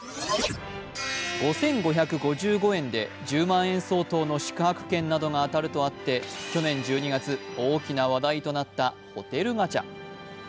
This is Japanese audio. ５５５５円で１０万円相当の宿泊券が当たるとあって、去年１２月、大きな話題となったホテルガチャ。